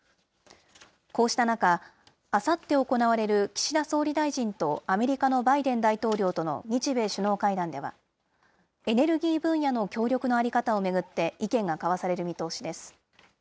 こうした中、あさって行われる岸田総理大臣とアメリカのバイデン大統領との日米首脳会談では、エネルギー分野の協力の在り方を巡って意見が交わされる見通しです。